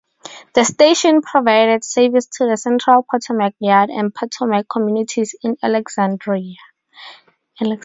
The station provided service to the central Potomac Yard and Potomac communities in Alexandria.